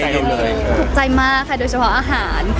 ถูกใจมากค่ะโดยเฉพาะอาหาร